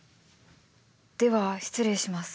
では失礼します。